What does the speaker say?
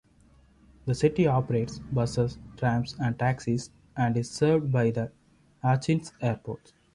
The city operates buses, trams, and taxis, and is served by the Achinsk Airport.